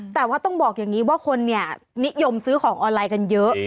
แต่ว่าต้องบอกอย่างนี้ว่าคนเนี่ยนิยมซื้อของออนไลน์กันเยอะ